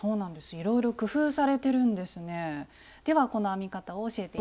いろいろ工夫されてるんですね。